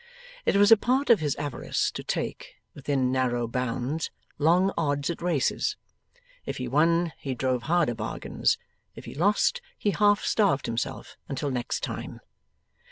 It was a part of his avarice to take, within narrow bounds, long odds at races; if he won, he drove harder bargains; if he lost, he half starved himself until next time.